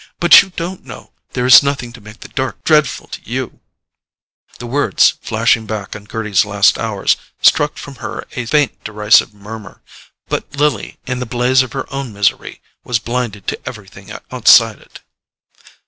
But you don't know—there is nothing to make the dark dreadful to you——" The words, flashing back on Gerty's last hours, struck from her a faint derisive murmur; but Lily, in the blaze of her own misery, was blinded to everything outside it.